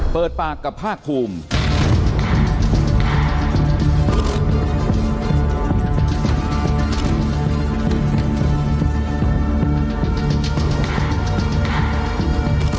เปิดปากกับภาคภูมิ